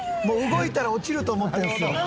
「もう動いたら落ちると思ってるんですよ」